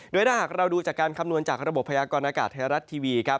โดยถ้าหากเราดูจากการคำนวณจากระบบพยากรณากาศไทยรัฐทีวีครับ